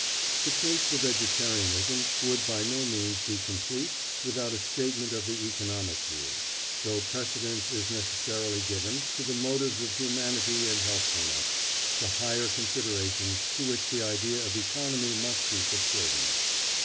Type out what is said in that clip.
The case for vegetarianism would by no means be complete without a statement of the economic view, though precedence is necessarily given to the motives of humanity and healthfulness, the higher considerations to which the idea of economy must be subservient.